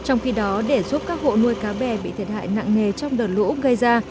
trong khi đó để giúp các hộ nuôi cá bè bị thiệt hại nặng nề trong đợt lũ gây ra